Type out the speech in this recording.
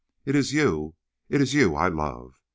"It is you, it is you I love!